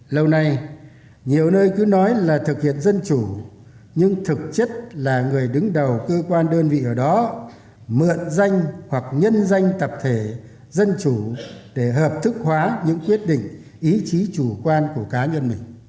lâu nay nhiều nơi cứ nói là thực hiện dân chủ nhưng thực chất là người đứng đầu cơ quan đơn vị ở đó mượn danh hoặc nhân danh tập thể dân chủ để hợp thức hóa những quyết định ý chí chủ quan của cá nhân mình